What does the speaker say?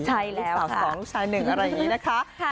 ลูกสาว๒ลูกชาย๑อะไรอย่างนี้นะคะ